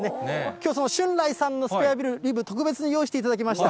きょう、その春雷さんのスペアリブ、特別に用意していただきました。